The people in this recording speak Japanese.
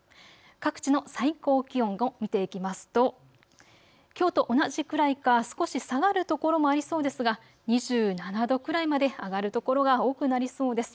各地の最高気温を見ていきますときょうと同じくらいか少し下がるところもありそうですが２７度くらいまで上がる所が多くなりそうです。